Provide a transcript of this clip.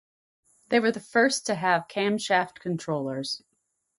They were the first to have camshaft controllers.